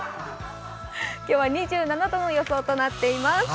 今日は２７度の予想となっています。